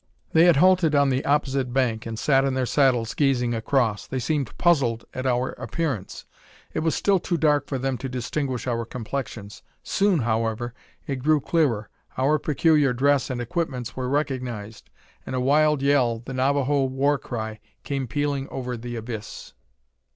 They had halted on the opposite bank, and sat in their saddles, gazing across. They seemed puzzled at our appearance. It was still too dark for them to distinguish our complexions. Soon, however, it grew clearer; our peculiar dress and equipments were recognised; and a wild yell, the Navajo war cry, came pealing over the abyss!